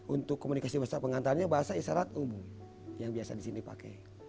untuk komunikasi bahasa pengantarnya bahasa isyarat umum yang biasa di sini pakai